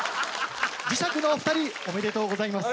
磁石のお二人おめでとうございます。